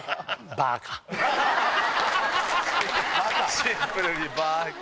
シンプルに「バーカ」。